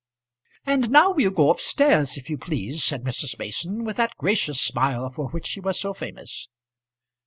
"And now we'll go up stairs, if you please," said Mrs. Mason, with that gracious smile for which she was so famous.